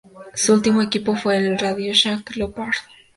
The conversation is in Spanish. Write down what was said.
Su último equipo fue el RadioShack Leopard.